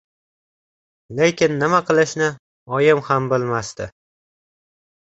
Lekin nima qilishni oyim ham bilmasdi.